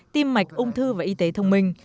tiêm mạch ung thư và y tế thông minh